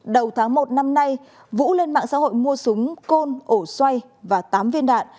đầu tháng một năm nay vũ lên mạng xã hội mua súng côn ổ xoay và tám viên đạn